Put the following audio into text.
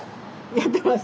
やってます。